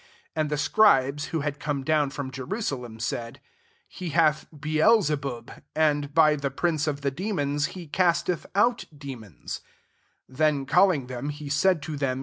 ^ And the acribea, who had come down from Jerusalem, said, " He hath Beelzebub;* and, by the prince of the de mons, he casteth out de mons^" 23 Then calling them, he said to them.